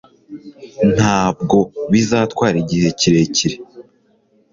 ntabwo bizatwara igihe kirekire